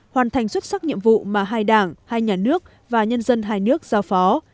hoàn thành xuất sắc nhiệm vụ mà hai đảng hai nhà nước và nhân dân hai nước giao phó